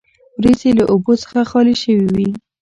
وریځې له اوبو څخه خالي شوې وې.